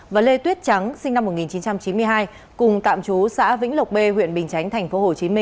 và lê tuyết trắng sinh năm một nghìn chín trăm chín mươi hai cùng tạm chú xã vĩnh lộc b huyện bình chánh tp hcm